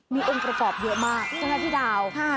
มีองค์ประสอบเยอะมากจ้าเฮตดาว